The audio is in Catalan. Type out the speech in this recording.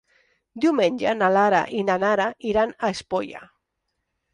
Diumenge na Lara i na Nara iran a Espolla.